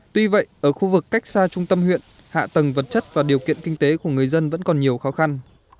tuy vậy ở khu vực cách xa trung tâm huyện hạ tầng vật chất và điều kiện kinh tế của người dân vẫn còn nhiều khó khăn